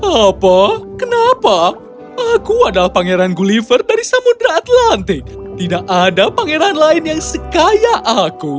apa kenapa aku adalah pangeran gulliver dari samudera atlantik tidak ada pangeran lain yang sekaya aku